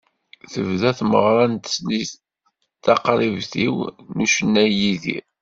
Tebda tmeɣra s tezlit “Taɣribt-iw” n ucennay Idir.